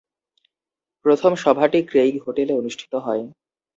প্রথম সভাটি ক্রেইগ হোটেলে অনুষ্ঠিত হয়।